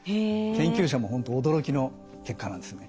研究者も本当驚きの結果なんですね。